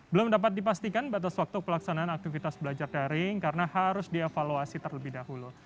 belum dapat dipastikan batas waktu pelaksanaan aktivitas belajar daring karena harus dievaluasi terlebih dahulu